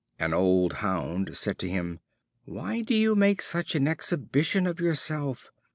An old hound said to him: "Why do you make such an exhibition of yourself?